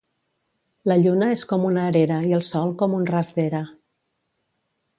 La lluna és com una erera i el sol com un ras d'era.